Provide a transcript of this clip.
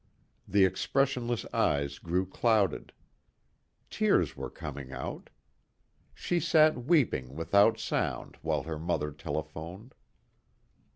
The expressionless eyes grew clouded. Tears were coming out. She sat weeping without sound while her mother telephoned.